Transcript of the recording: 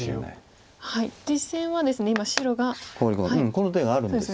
この手があるんです。